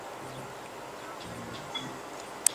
Obtuvo la ayuda de un hombre llamado El General.